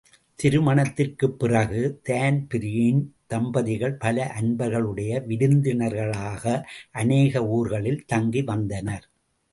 திருமணத்திற்குப் பிறகு தான்பிரீன் தம்பதிகள் பல அன்பர்களுடைய விருந்தினர்களாக அநேக ஊர்களில் தங்கிவந்தனர்.